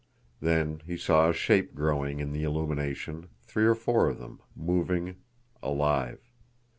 Then he saw a shape growing in the illumination, three or four of them, moving, alive.